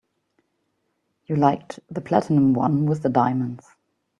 You liked the platinum one with the diamonds.